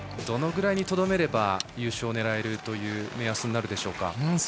どのくらいにとどめれば優勝を狙える目安になるでしょうか？